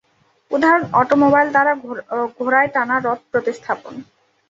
উদাহরণ ঃ অটোমোবাইল দ্বারা ঘোড়ায় টানা রথ প্রতিস্থাপন।